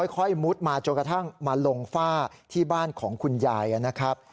มุดมาจนกระทั่งมาลงฝ้าที่บ้านของคุณยายนะครับ